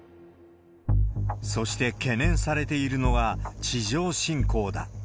そして、懸念されているのが地上侵攻だ。